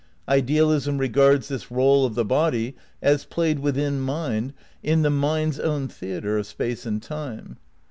Idealism regards this role of the body as played within mind in the mind's own theatre of space and time.